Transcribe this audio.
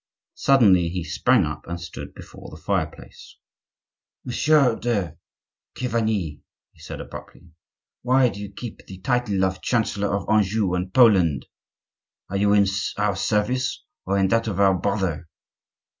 Suddenly he sprang up and stood before the fireplace. "Monsieur de Chiverni," he said abruptly, "why do you keep the title of chancellor of Anjou and Poland? Are you in our service, or in that of our brother?"